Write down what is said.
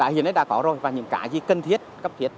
hiện nay đã có rồi và những cái gì cần thiết cấp thiết